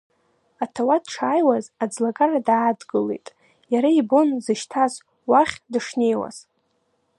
Аҭауад дшааиуаз, аӡлагара даадгылеит, иара ибон дзышьҭаз уахь дышнеиз.